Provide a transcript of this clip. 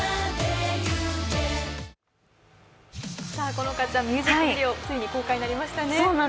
好花ちゃん、ミュージックビデオ、ついに公開になりました。